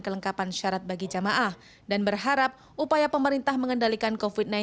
kelengkapan syarat bagi jamaah dan berharap upaya pemerintah mengendalikan kofit sembilan belas